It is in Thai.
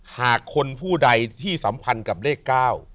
หากคนผู้ใดที่สัมพันธ์กับเลข๙